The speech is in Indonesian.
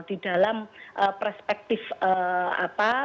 di dalam perspektif apa